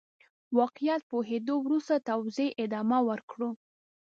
واقعيت پوهېدو وروسته توزيع ادامه ورکړو.